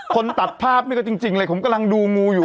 ตัดภาพนี่ก็จริงเลยผมกำลังดูงูอยู่